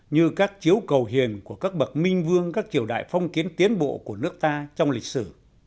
như các chiếu cầu hiền của các bậc minh vương các triều đại phong kiến tiến bộ của nước ta trong lịch sử